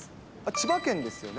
千葉県ですよね？